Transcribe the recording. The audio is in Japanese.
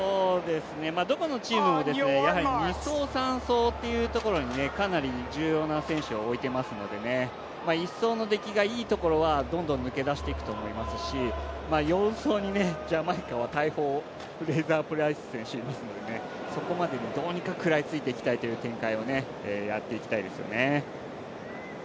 どこのチームもやはり２走、３走というところにかなり重要な選手を置いていますので、１走の出来がいいところはどんどん抜け出していくと思いますし、４走にジャマイカの大砲、フレイザープライス選手、そこまでにどうにか食らいついていく展開をやっていきたいですよね。